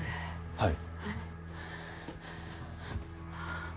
はい